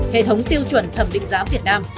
hệ thống tiêu chuẩn thẩm định giá việt nam